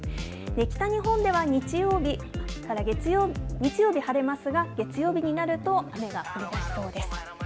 北日本では日曜日、晴れますが、月曜日になると雨が降りだしそうです。